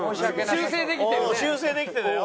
修正できてたよ。